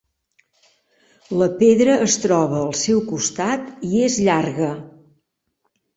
La pedra es troba al seu costat i és llarga.